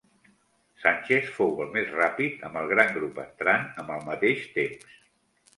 Sánchez fou el més ràpid, amb el gran grup entrant amb el mateix temps.